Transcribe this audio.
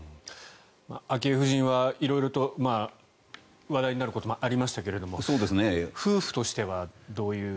昭恵夫人は色々と話題になることもありましたが夫婦としてはどういう？